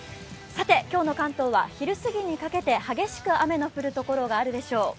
今日の関東は昼すぎにかけて激しく雨の降るところがあるでしょう。